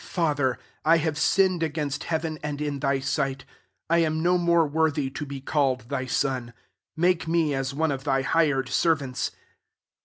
Fa ther, 1 have sinned against hea ven, and in thy sight: 191 am no more worthy to be called thy son : make me as one of thy hired sen'ants.'